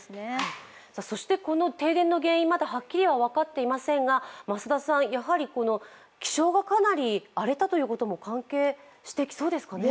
そしてこの停電の原因、まだはっきり分かってはいませんが気象がかなり荒れたということも関係あったんでしょうかね？